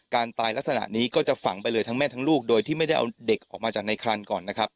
การตายลักษณะนี้ก็จะฝังไปเลยทั้งแม่ทั้งลูกโดยที่ไม่ได้เอาเด็กออกมาจากในครันก่อนนะครับ